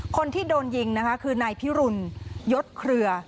คนที่โดนยิงนะคะคือนายพิรุณยศเครือ